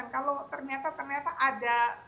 kalau ternyata ternyata ada